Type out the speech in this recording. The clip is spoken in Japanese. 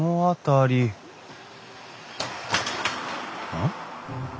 ・うん？